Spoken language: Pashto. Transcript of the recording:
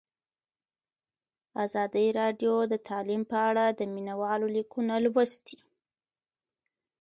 ازادي راډیو د تعلیم په اړه د مینه والو لیکونه لوستي.